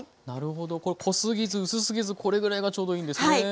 なるほど濃すぎず薄すぎずこれぐらいがちょうどいいんですね。